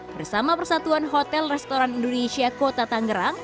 bersama persatuan hotel restoran indonesia kota tangerang